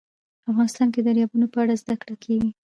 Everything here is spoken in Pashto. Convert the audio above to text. افغانستان کې د دریابونه په اړه زده کړه کېږي.